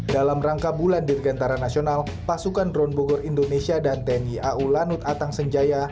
dalam rangka bulan dirgantara nasional pasukan drone bogor indonesia dan tni au lanut atang senjaya